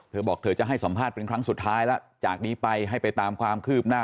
เธอบอกเธอจะให้สัมภาษณ์เป็นครั้งสุดท้ายแล้วจากนี้ไปให้ไปตามความคืบหน้า